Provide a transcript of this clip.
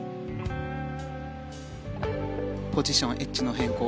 ポジション、エッジの変更。